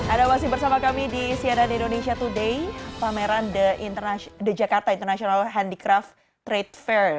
ada masih bersama kami di cnn indonesia today pameran the jakarta international handicraft trade fair